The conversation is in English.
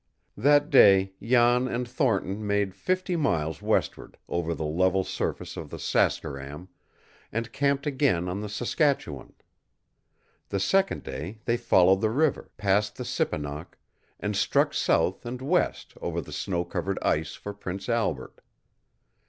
That day Jan and Thornton made fifty miles westward over the level surface of the Saskeram, and camped again on the Saskatchewan. The second day they followed the river, passed the Sipanock, and struck south and west over the snow covered ice for Prince Albert.